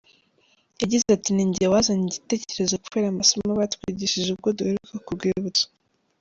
Yagize ati “Ni njye wazanye igitekerezo kubera amasomo batwigishije ubwo duheruka ku rwibutso.